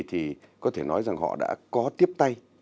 thì có thể nói rằng họ đã có tiếp tay